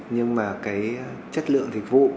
nhưng mà cái chất lượng dịch vụ